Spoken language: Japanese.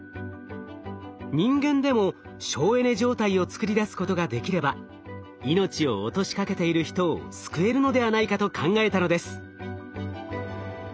人間でも省エネ状態をつくり出すことができれば命を落としかけている人を救えるのではないかと考えたのです。